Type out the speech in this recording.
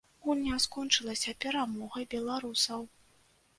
Гульня скончылася перамогай беларусаў.